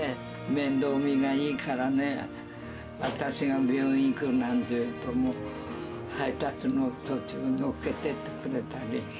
面倒見がいいからね、私が病院行くなんて言うと、もう、配達の途中、乗っけてってくれたり。